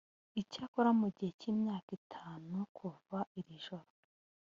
icyakora mu gihe cy imyaka itanu kuva irijoro